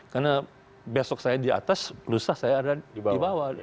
karena besok saya di atas lusa saya ada di bawah